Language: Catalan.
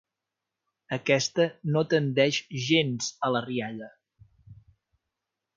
Aquesta no tendeix gens a la rialla.